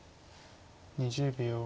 ２０秒。